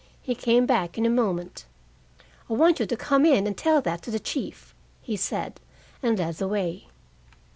He came back in a moment. "I want you to come in and tell that to the chief," he said, and led the way.